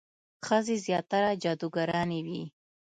ښځې زیاتره جادوګرانې وي.